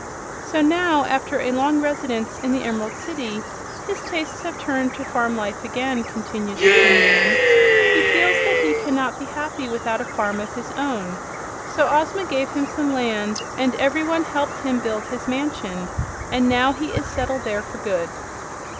"So now, after a long residence in the Emerald City, his tastes have turned to farm life again," continued the Tin Man. "He feels that he cannot be happy without a farm of his own, so Ozma gave him some land and every one helped him build his mansion, and now he is settled there for good."